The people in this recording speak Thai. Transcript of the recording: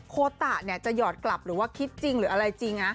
โคตะจะหยอดกลับหรือว่าคิดจริงหรืออะไรจริง